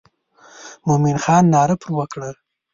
مومن خان ناره پر وکړه.